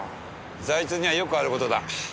財津にはよくある事だ。